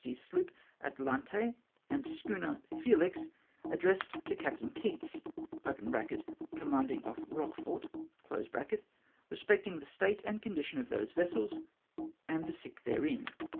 's sloop Atalante and schooner Felix, addressed to Captain Keats (commanding off Eochefort), respecting the state and condition of those vessels, and the sick therein."